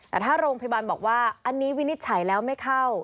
แต่ถ้าโรงพยาบาลบอกว่าอันนี้วินิจฉัยแล้วไม่เข้า